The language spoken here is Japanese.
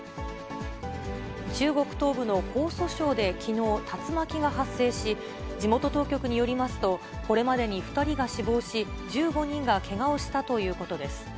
中国東部の江蘇省できのう、竜巻が発生し、地元当局によりますと、これまでに２人が死亡し、１５人がけがをしたということです。